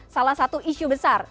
salah satu isu besar